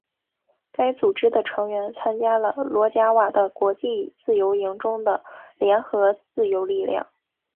该组织的成员参加了罗贾瓦的国际自由营中的联合自由力量。